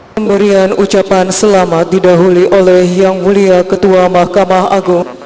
dan berikan ucapan selamat didahului oleh yang mulia ketua mahkamah agung